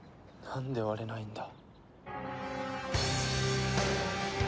なんで割れないんだ？